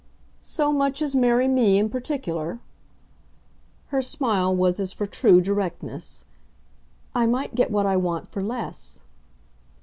"So much as marry me in particular?" Her smile was as for true directness. "I might get what I want for less."